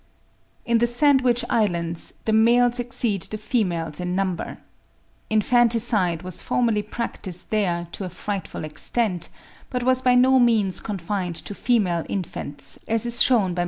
In the Sandwich Islands, the males exceed the females in number. Infanticide was formerly practised there to a frightful extent, but was by no means confined to female infants, as is shewn by Mr. Ellis (96.